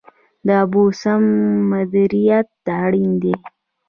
د اوبو سم مدیریت اړین دی